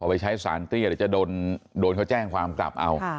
ไปใช้สารเตี้ยเดี๋ยวจะโดนเขาแจ้งความกลับเอา